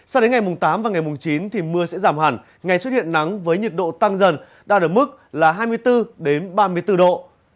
sau đến ngày tám và ngày chín thì mưa sẽ giảm hẳn ngày xuất hiện nắng với nhiệt độ tăng dần đã được mức là hai mươi bốn đến ba mươi bốn độ